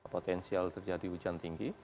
potensial terjadi hujan tinggi